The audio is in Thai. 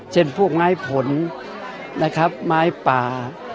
เช่นพวกไม้ผลนะครับไม้ป่า